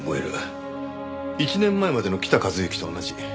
１年前までの北一幸と同じ。